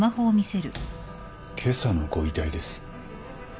今朝のご遺体です。